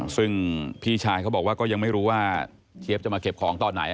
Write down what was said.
ซึ่งพี่ชายเขาบอกว่าก็ยังไม่รู้ว่าเจี๊ยบจะมาเก็บของตอนไหน